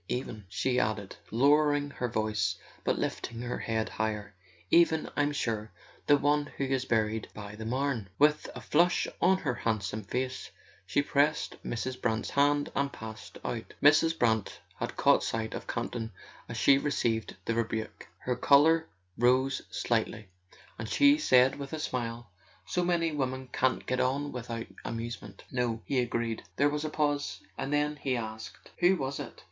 .. Even," she added, lowering her voice but lifting her head higher, "even, I'm sure, the one who is buried by the Marne." With a flush on her handsome face she pressed Mrs. Brant's hand and passed out. Mrs. Brant had caught sight of Camp ton as she re¬ ceived the rebuke. Her colour rose slightly, and she said with a smile: "So many women can't get on with¬ out amusement." "No," he agreed. There was a pause, and then he asked: "Who was it?"